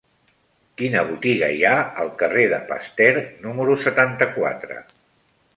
Quina botiga hi ha al carrer de Pasteur número setanta-quatre?